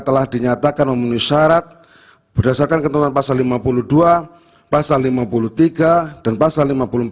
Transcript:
telah dinyatakan memenuhi syarat berdasarkan ketentuan pasal lima puluh dua pasal lima puluh tiga dan pasal lima puluh empat